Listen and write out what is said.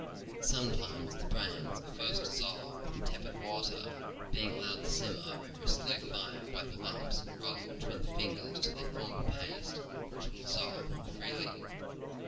Sometimes the brains are first dis solved in tepid water, being allowed to simmer over a slow fire while the lumps are rolled between the fingers till they form a paste which will dissolve more freely.